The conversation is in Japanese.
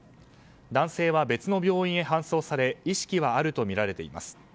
男性は別の病院へ搬送され意識はあるとみられています。